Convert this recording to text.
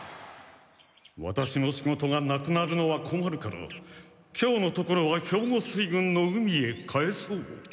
ワタシの仕事がなくなるのは困るから今日のところは兵庫水軍の海へ帰そう。